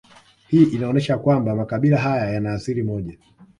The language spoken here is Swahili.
Hii inaonesha kwamba makabila haya yana asili moja